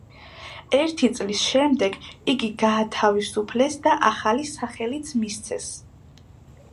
ერთი წლის შემდეგ იგი გაათავისუფლეს და ახალი სახელიც მისცეს.